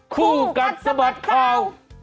คู่กันสมัครเข้า